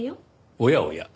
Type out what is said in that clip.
おやおや。